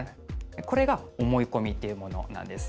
これが思い込みということです。